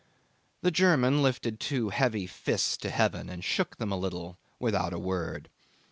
The German lifted two heavy fists to heaven and shook them a little without a word.